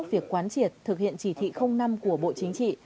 việc quán triệt thực hiện chỉ thị năm của bộ chính trị